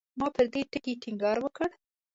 ما پر دې ټکي ټینګار وکړ.